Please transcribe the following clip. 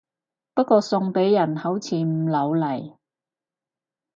不過送俾人好似唔老嚟